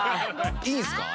いいんすか？